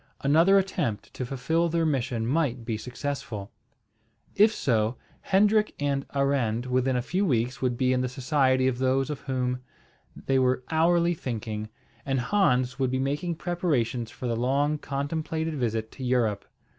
Another attempt to fulfil their mission might be successful. If so, Hendrik and Arend within a few weeks would be in the society of those of whom they were hourly thinking, and Hans would be making preparations for the long contemplated visit to Europe.